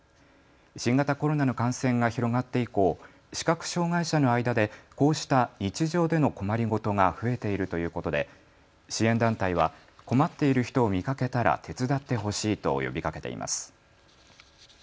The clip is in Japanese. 新型コロナの感染が広がって以降、視覚障害者の間でこうした日常での困り事が増えているということで支援団体は困っている人を見かけたら手伝ってほしいと呼びかけています。